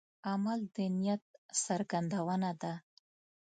عمل د نیت څرګندونه ده.